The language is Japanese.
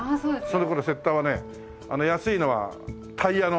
その頃雪駄はね安いのはタイヤの底。